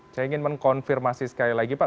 saya ingin mengkonfirmasi sekali lagi pak